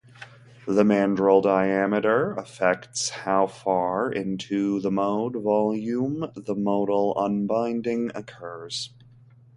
The mandrel diameter affects how far into the mode volume the modal unbinding occurs.